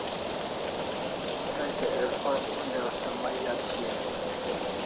Tay te ilfaz onja asta may yat shian